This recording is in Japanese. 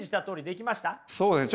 そうですね